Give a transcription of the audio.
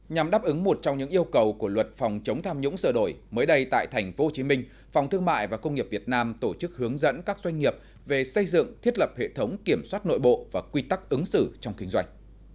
nhằm đáp ứng một trong những yêu cầu của luật phòng chống tham nhũng sửa đổi mới đây tại tp hcm phòng thương mại và công nghiệp việt nam tổ chức hướng dẫn các doanh nghiệp về xây dựng thiết lập hệ thống kiểm soát nội bộ và quy tắc ứng xử trong kinh doanh